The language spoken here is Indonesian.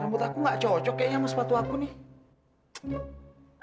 rambut aku gak cocok kayaknya sama sepatu aku nih